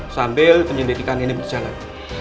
sambil penyelidikan ini berjalan